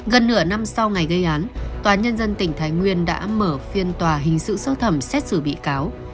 gần nửa năm sau ngày gây án tòa nhân dân tỉnh thái nguyên đã mở phiên tòa hình sự sơ thẩm xét xử bị cáo